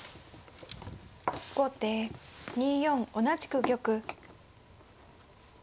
後手２四同じく玉。